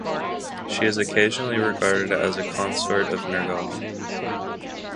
She is occasionally regarded as a consort of Nergal.